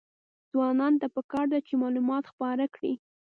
ځوانانو ته پکار ده چې، معلومات خپاره کړي.